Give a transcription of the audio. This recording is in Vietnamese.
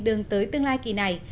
đường tới tương lai kỳ này